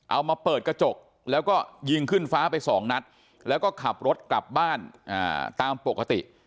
เอามาเปิดกระจกแล้วก็ยิงขึ้นฟ้าไปสองนัดแล้วก็ขับรถกลับบ้านตามปกติ